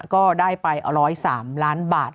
ก็ได้ไป๑๐๓ล้านบาท